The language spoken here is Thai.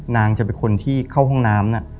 นางจะเป็นคนที่เข้าห้องน้ำ